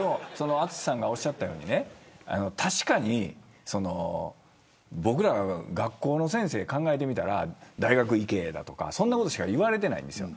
淳さんがおっしゃったように確かに僕らが学校の先生を考えてみたら大学に行けとかそんなことしか言われていないんですよ。